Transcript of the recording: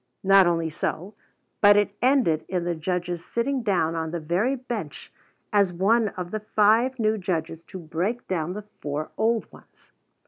Not only so, but it ended in the Judge's sitting down on the very bench as one of the five new Judges to break down the four old ones.